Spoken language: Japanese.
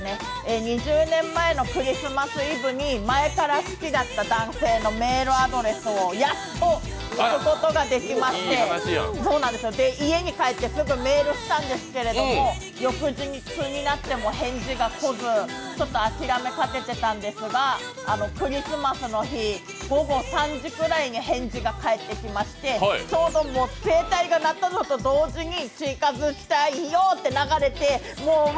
２０年前のクリスマスイブに前から好きだった男性のメールアドレスをやっと聞くことができまして、家に帰ってすぐメールしたんですけれども、翌日になっても返事が来ず、ちょっと諦めかけてたんですが、クリスマスの日、午後３時ぐらいに返事が返ってきましてちょうど携帯が鳴ったのと同時に「近づきたいよ」と流れてうわ！